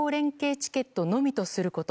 チケットのみとすること。